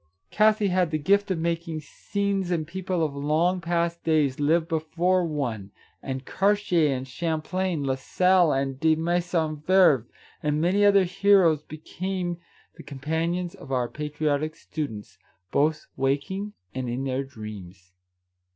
Kathie had the gift of making Our Little Canadian Cousin 81 scenes and people of long past days live before one, and Carder and Champlain, La Salle and De Maisonneuve, and many another hero be came the companions of our patriotic students, both waking and in their dreams.